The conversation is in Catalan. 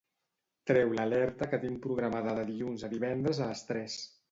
Treu l'alerta que tinc programada de dilluns a divendres a les tres.